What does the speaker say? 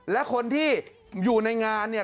และคนที่อยู่ในงานเนี่ย